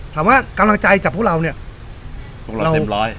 กำลังใจจากพวกเราเนี่ยพวกเราเต็มร้อย